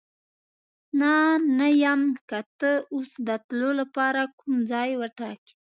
نه، نه یم، که ته اوس د تلو لپاره کوم ځای وټاکې.